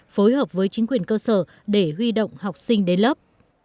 phối hợp với chính quyền cơ sở để huy động học sinh đến lớp